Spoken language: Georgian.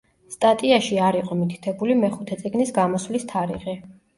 სტატიაში არ იყო მითითებული მეხუთე წიგნის გამოსვლის თარიღი.